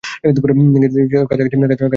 কাছাকাছি এসে গেছি।